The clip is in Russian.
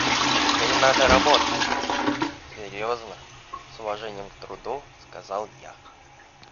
— А теперь надо работать, — серьезно, с уважением к труду, сказал я.